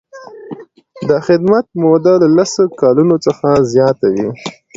د خدمت موده له لس کلونو څخه زیاته وي.